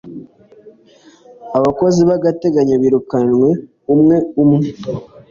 abakozi b'agateganyo birukanwe umwe umwe